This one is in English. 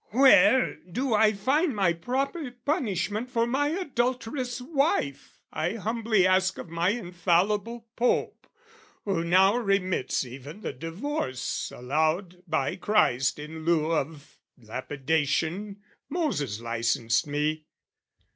Where do I find my proper punishment For my adulterous wife, I humbly ask Of my infallible Pope, who now remits Even the divorce allowed by Christ in lieu Of lapidation Moses licensed me?